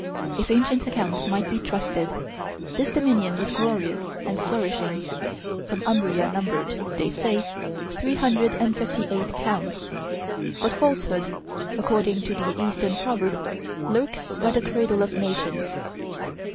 If ancient accounts might be trusted, this dominion was glorious and flourishing, for Umbria numbered, they say, three hundred and fifty eight towns; but falsehood, according to the Eastern proverb, lurks by the cradle of nations.